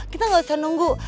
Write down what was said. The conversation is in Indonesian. kita gak usah nunggu